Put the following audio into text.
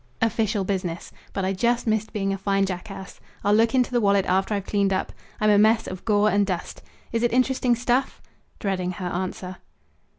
"Official business. But I just missed being a fine jackass. I'll look into the wallet after I've cleaned up. I'm a mess of gore and dust. Is it interesting stuff?" dreading her answer.